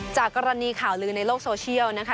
จากกรณีข่าวลือในโลกโซเชียลนะคะ